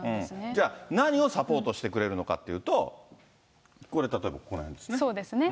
じゃあ、何をサポートしてくれるのかっていうと、これ、例えそうですね。